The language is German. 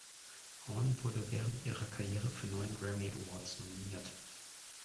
Horn wurde während ihrer Karriere für neun Grammy Awards nominiert.